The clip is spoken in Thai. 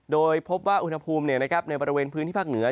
โดยพบว่าอุณหภูมิในบริเวณพื้นที่ภาคเหนือ